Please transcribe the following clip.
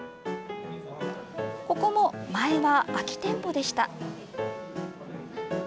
ここも、前は空き店舗でした。